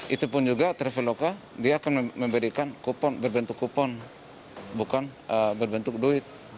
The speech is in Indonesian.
itu pun juga traveloka dia akan memberikan kupon berbentuk kupon bukan berbentuk duit